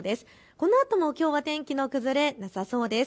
このあともきょうは天気の崩れ、なさそうです。